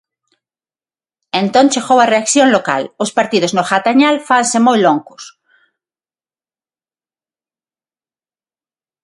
Entón chegou a reacción local: os partidos no Gatañal fanse moi longos.